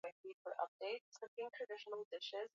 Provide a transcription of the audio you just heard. Mawasiliano ya karibu yalihitajika ili kushirikisha wadau